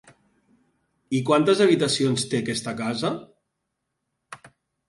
I quantes habitacions té aquesta casa?